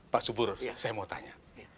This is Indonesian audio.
pak subur saya mau tanya